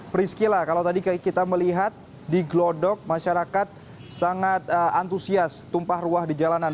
priscila kalau tadi kita melihat di glodok masyarakat sangat antusias tumpah ruah di jalanan